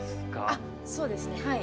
そうですねはい。